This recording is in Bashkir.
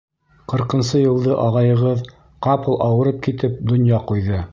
Ҡырҡынсы йылды ағайығыҙ, ҡапыл ауырып китеп, донъя ҡуйҙы.